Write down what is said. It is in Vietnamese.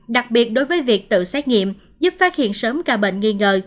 đặc biệt đối với việc tự xét nghiệm giúp phát hiện sớm ca bệnh nghi ngờ